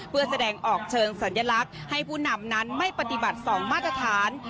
เพื่อแสดงออกเชิงสัญลักษณ์ให้ผู้นำนั้นไม่ปฏิบัติ๒มาตรฐาน